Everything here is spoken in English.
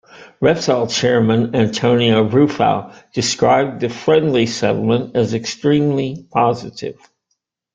Repsol Chairman Antonio Brufau described the "friendly" settlement as "extremely positive.